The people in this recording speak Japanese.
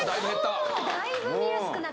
だいぶ見やすくなった。